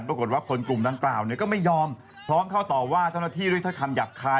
ปรากฏว่าคนกลุ่มดังกล่าวเนี่ยก็ไม่ยอมพร้อมเข้าต่อว่าเจ้าหน้าที่ด้วยถ้อยคำหยาบคาย